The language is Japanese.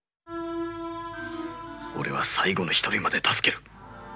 俺は最後の一人まで助ける。